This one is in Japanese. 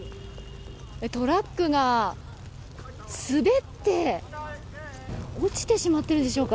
トラックが滑って落ちてしまっているんでしょうか。